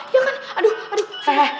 ya kan aduh aduh